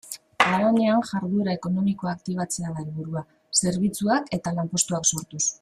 Haranean jarduera ekonomikoa aktibatzea da helburua, zerbitzuak eta lanpostuak sortuz.